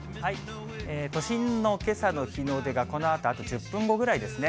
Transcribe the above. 都心のけさの日の出が、このあと、あと１０分後ぐらいですね。